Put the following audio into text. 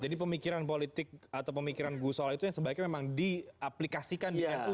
jadi pemikiran politik atau pemikiran gusola itu sebaiknya memang diaplikasikan di nu